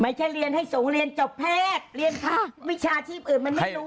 ไม่ใช่ให้เรียนให้สูงเรียนจอบแพทย์วิชาชีพอื่นมันไม่รวย